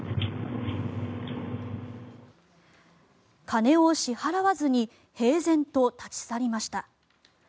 金を支払わずに平然と立ち去りました。